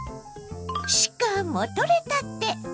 しかもとれたて。